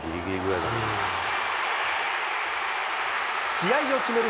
試合を決める